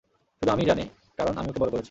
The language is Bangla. শুধু আমিই জানি, কারণ আমি ওকে বড় করেছি।